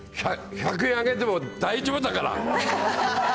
１００円上げても大丈夫だから。